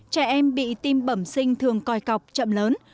trẻ em bị tim bẩm sinh thường coi cọc chậm lớn